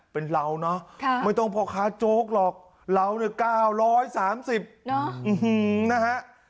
เป็นเราเนาะค่ะไม่ต้องพ่อค้าโจ๊กหรอกเราเนี่ยเก้าร้อยสามสิบเนาะอื้อฮือนะฮะ